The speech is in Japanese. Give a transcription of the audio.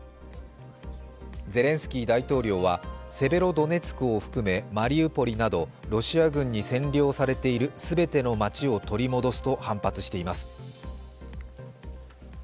ゼレンスキー大統領は、セベロドネツクを含めマリウポリなどロシア軍に占領されている全ての街を取り戻すと反発しています。